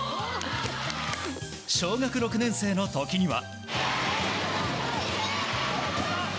小学６年生の時には。